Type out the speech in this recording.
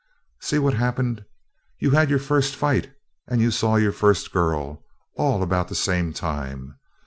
"See what happened: You had your first fight and you saw your first girl, all about the same time.